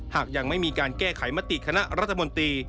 หากยังไม่มีการแก้ไขมติคณะรัฐมนตรี